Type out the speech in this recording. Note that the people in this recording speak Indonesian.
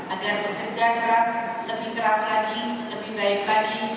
agar bekerja keras lebih keras lagi lebih baik lagi